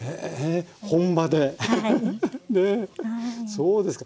そうですか。